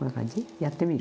やってみる？